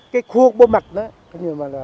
cái khuôn bộ mặt đó